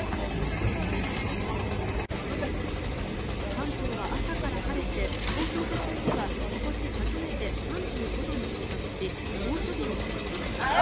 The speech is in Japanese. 関東は朝から晴れて東京都心では今年初めて３５度に到達し猛暑日を記録しました。